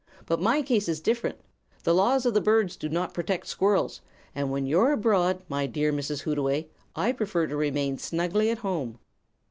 But my case is different. The laws of the birds do not protect squirrels, and when you're abroad, my dear Mrs. Hootaway, I prefer to remain snugly at home."